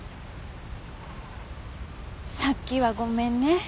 さっきはごめんね。